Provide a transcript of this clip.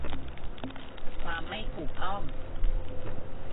ความไม่ถูกต้อง